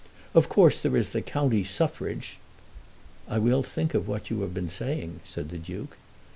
Of course there is the county suffrage " "I will think of what you have been saying," said the Duke.